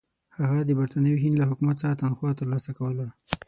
هغه د برټانوي هند له حکومت څخه تنخوا ترلاسه کوله.